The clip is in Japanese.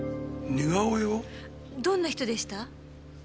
どんな人でした？